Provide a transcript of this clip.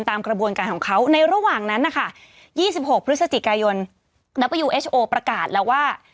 ตามกระบวนการของเขาในระหว่างนั้นนะคะยี่สิบหกพฤศจิกายนประกาศแล้วว่า